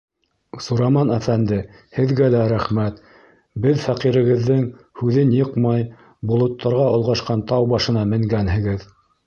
Сураман әфәнде, Һеҙгә лә рәхмәт, беҙ фәҡирегеҙҙең һүҙен йыҡмай, болоттарға олғашҡан тау башына менгәнһегеҙ.